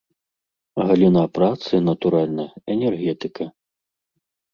Галіна працы, натуральна, энергетыка.